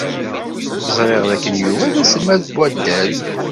Ẓriɣ dakken Yuba d aselmad n waddal.